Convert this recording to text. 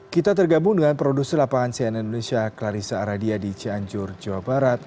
kita tergabung dengan produser lapangan cnn indonesia clarissa aradia di cianjur jawa barat